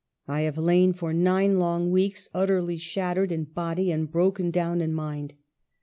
... I have lain for nine long weeks, utterly shattered in body and broken down in mind.